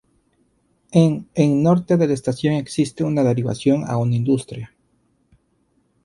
En en norte de la estación existe una derivación a una industria.